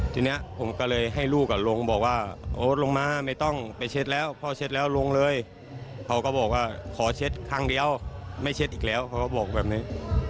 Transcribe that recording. ทีนี้ผมก็เลยให้ลูกลงบอกว่าโอ๊ตลงมาไม่ต้องไปเช็ดแล้วพ่อเช็ดแล้วลงเลยเขาก็บอกว่าขอเช็ดครั้งเดียวไม่เช็ดอีกแล้วเขาก็บอกแบบนี้